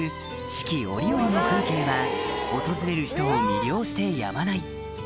四季折々の風景は訪れる人を魅了してやまない